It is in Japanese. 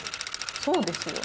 そうですよ。